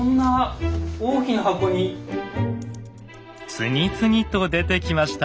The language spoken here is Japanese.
次々と出てきました。